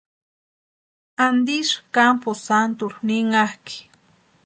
¿Antisï kampu santurhu ninhakʼi?